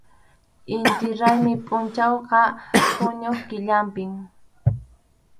Inti raymi pʼunchawqa junio killapim.